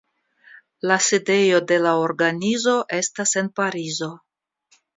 La sidejo de la organizo estas en Parizo.